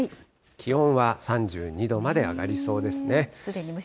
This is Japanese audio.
気温は３２度まで上がりそうですね。